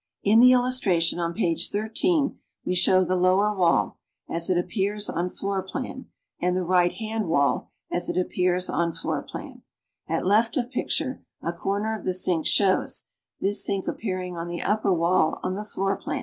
In the illustration on page 13, we show the lower wall (as it appears on floor plan), and the right hand wall (as it appears on floor i)lan). At left of picture, a corner of the sink shows, this sink appearing on the upper wall on the floor plan.